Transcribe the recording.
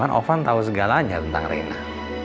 kan lovan tau segalanya tentang reina